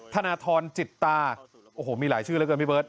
ธนทรจิตตาโอ้โหมีหลายชื่อเหลือเกินพี่เบิร์ต